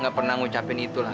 gak pernah ngucapin itu lah